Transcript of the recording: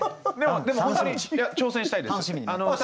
でも本当に挑戦したいです。